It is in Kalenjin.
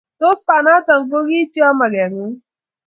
Tos banato ko kityo magengung?